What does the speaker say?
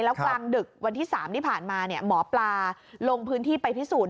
แล้วกลางดึกวันที่๓ที่ผ่านมาหมอปลาลงพื้นที่ไปพิสูจน